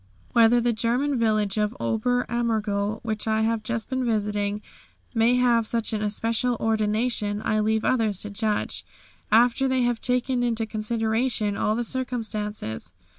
Whether the German village of Ober Ammergau which I have just been visiting, may have such an especial ordination, I leave others to judge after they have taken into consideration all the circumstances.